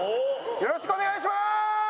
よろしくお願いします！